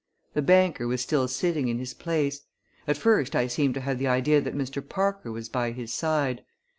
The banker was still sitting in his place. At first I seemed to have the idea that Mr. Parker was by his side.